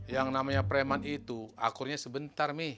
yang namanya preman itu akurnya sebentar nih